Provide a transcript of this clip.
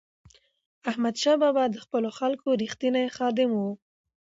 احمدشاه بابا د خپلو خلکو رښتینی خادم و.